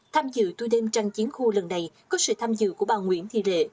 tham dự tui đêm trăng chiến khu lần này có sự tham dự của bà nguyễn thị lệ